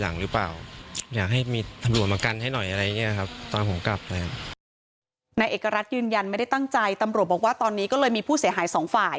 นายเอกรัฐยืนยันไม่ได้ตั้งใจตำรวจบอกว่าตอนนี้ก็เลยมีผู้เสียหายสองฝ่าย